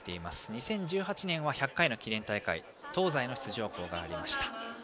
２０１８年は１００回の記念大会東西の出場がありました。